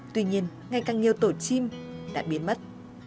tuy nhiên ngày càng nhiều tổ chim đã biến mất